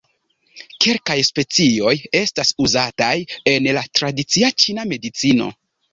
Kelkaj specioj estas uzataj en la tradicia ĉina medicino.